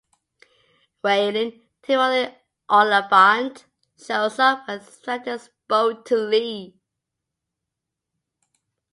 Raylan (Timothy Olyphant) shows up and threatens Bo to leave.